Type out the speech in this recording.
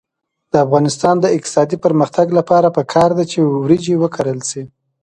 د افغانستان د اقتصادي پرمختګ لپاره پکار ده چې وریجې وکرل شي.